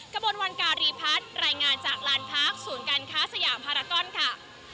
กระมวลวันการีพัฒน์รายงานจากลานพาร์คศูนย์การค้าสยามพารากอนค่ะ